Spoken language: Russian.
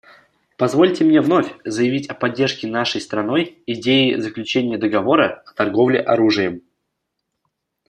Позвольте мне вновь заявить о поддержке нашей страной идеи заключения договора о торговле оружием.